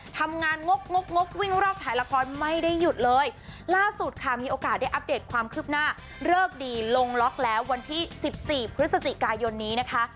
ทำงานงกงกงกวิ่งรอกถ่ายละครไม่ได้หยุดเลยล่าสุดค่ะมีโอกาสได้อัปเดตความคืบหน้าเลิกดีลงล็อกแล้ววันที่สิบสี่พฤศจิกายนนี้นะคะ